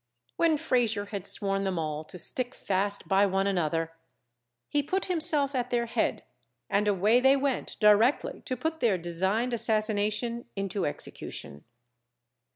When Frazier had sworn them all to stick fast by one another, he put himself at their head, and away they went directly to put their designed assassination into execution.